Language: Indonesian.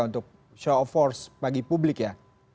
untuk show of force bagi publik ya